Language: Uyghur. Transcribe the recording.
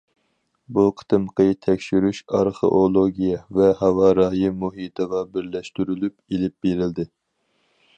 بۇ قېتىمقى تەكشۈرۈش ئارخېئولوگىيە ۋە ھاۋا رايى مۇھىتىغا بىرلەشتۈرۈلۈپ ئېلىپ بېرىلدى.